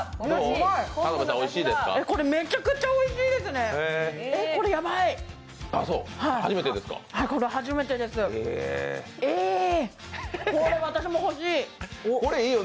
これ、めちゃくちゃおいしいですね、これ、ヤバい。